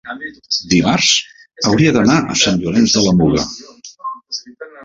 dimarts hauria d'anar a Sant Llorenç de la Muga.